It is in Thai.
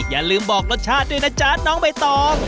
อย่าลืมบอกรสชาติด้วยนะจ๊ะน้องใบตอง